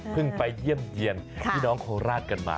ไปเยี่ยมเยี่ยนพี่น้องโคราชกันมา